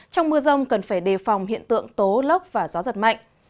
trong mưa rông cần phải đề phòng hiện tượng tố lốc và gió giật mạnh